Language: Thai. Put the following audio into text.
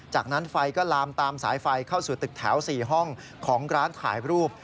จากนั้นไฟก็ลามตามสายไฟเข้าสู่ตึกแถว๔ห้องของร้านถ่ายรูป